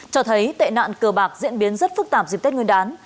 cho thấy tệ nạn cờ bạc diễn biến rất phức tạp dịp tết nguyên đán